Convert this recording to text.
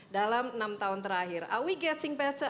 dalam enam tahun terakhir are we getting better